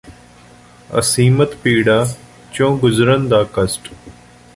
ਅਸੀਮਤ ਪੀੜਾ ਚੋਂ ਗੁਜਰਨ ਦਾ ਕਸ਼ਟ